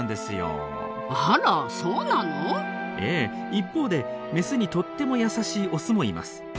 一方でメスにとっても優しいオスもいます。